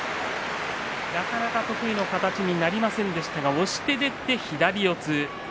なかなか得意の形になれませんでしたが押していって左四つ。